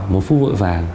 một phút vội vàng